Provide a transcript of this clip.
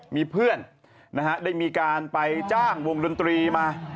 มีเพื่อนได้มีการไปจ้างวงดนตรีมา